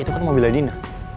itu kan mobil adina